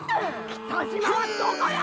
・北島はどこよ！？